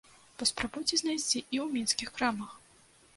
Паспрабуйце знайсці і ў мінскіх крамах?